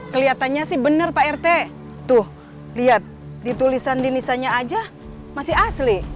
keliatannya sih bener pak rt tuh lihat ditulisan dinisanya aja masih asli